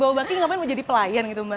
bawabaki ngapain mau jadi pelayan gitu mbak